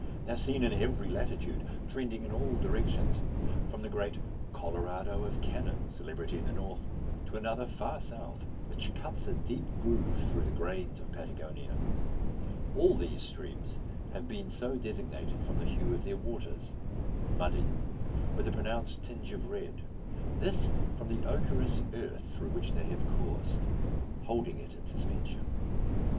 They are seen in every latitude, trending in all directions, from the great Colorado of canon celebrity in the north to another far south, which cuts a deep groove through the plains of Patagonia. All these streams have been so designated from the hue of their waters muddy, with a pronounced tinge of red: this from the ochreous earth through which they have coursed, holding it in suspension.